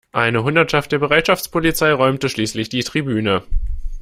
Eine Hundertschaft der Bereitschaftspolizei räumte schließlich die Tribüne.